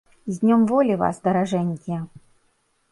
З днём волі вас, даражэнькія!